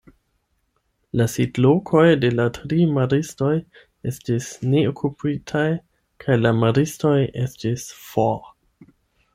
La sidlokoj de la tri maristoj estis neokupitaj kaj la maristoj estis for.